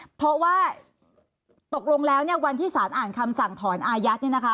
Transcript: เพราะว่าตกลงแล้ววันที่สาธารณ์อ่านคำสั่งถอนอาญาต